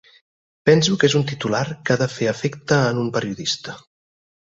Penso que és un titular que ha de fer efecte en un periodista.